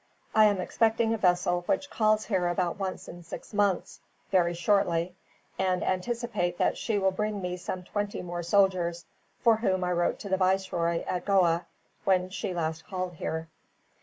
I am expecting a vessel which calls here about once in six months, very shortly, and anticipate that she will bring me some twenty more soldiers, for whom I wrote to the viceroy at Goa when she last called here."